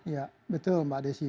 iya betul mbak desi